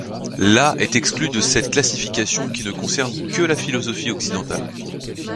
La est exclue de cette classification qui ne concerne que la philosophie occidentale.